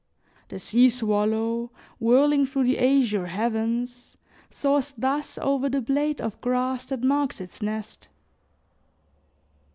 The sea swallow, whirling through the azure heavens, soars thus over the blade of grass that marks its nest.